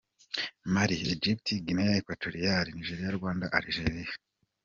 Mali, Egypt, Guinee equatoriale, Nigeria, Rwanda, Algeria.